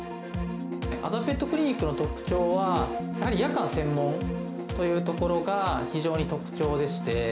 麻布ペットクリニックの特徴は、やはり夜間専門というところが非常に特徴でして。